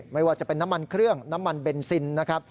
ไม่ว่าจะเป็นน้ำมันเครื่องน้ำมันเบนซินนะครับ